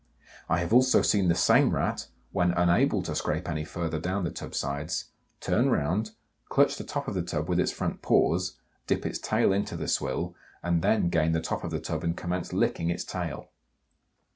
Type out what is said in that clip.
I have also seen the same Rat, when unable to scrape any further down the tub sides, turn round, clutch the top of the tub with its front paws, dip its tail into the swill, and then gain the top of the tub and commence licking its tail.